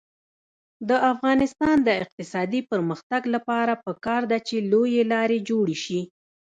د افغانستان د اقتصادي پرمختګ لپاره پکار ده چې لویې لارې جوړې شي.